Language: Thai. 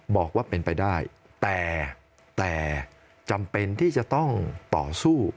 บอกว่าเป็นไปได้แต่จำเป็นที่จะต้องต่อสู้